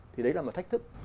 thì đấy là một thách thức